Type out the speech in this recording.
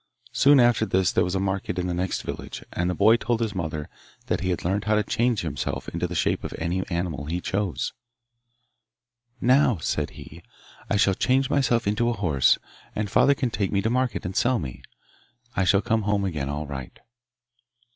Soon after this there was a market in the next village, and the boy told his mother that he had learned how to change himself into the shape of any animal he chose. 'Now,' said he, 'I shall change myself to a horse, and father can take me to market and sell me. I shall come home again all right.